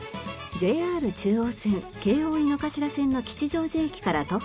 ＪＲ中央線京王井の頭線の吉祥寺駅から徒歩４分。